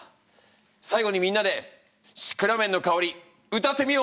最後にみんなで「シクラメンのかほり」歌ってみよう！